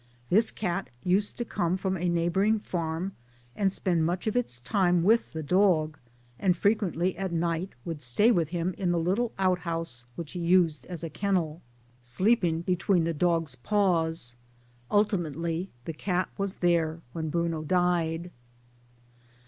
This cat used to come from a neighboring farm and spend much of its time with the dog, and frequently at night would stay with him in the little outhouse which he used as a kennel, ;i56 MY DAYS AND DREAMS sleeping between the dog's paws. Ultimately the cat was there when Bruno died.